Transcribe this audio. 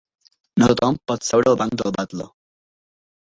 No tothom pot seure al banc del batlle.